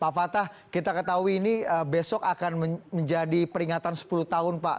pak fatah kita ketahui ini besok akan menjadi peringatan sepuluh tahun pak